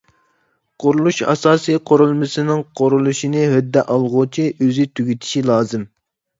قۇرۇلۇش ئاساسىي قۇرۇلمىسىنىڭ قۇرۇلۇشىنى ھۆددە ئالغۇچى ئۆزى تۈگىتىشى لازىم.